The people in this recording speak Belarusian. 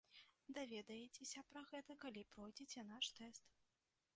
Даведаецеся пра гэта, калі пройдзеце наш тэст.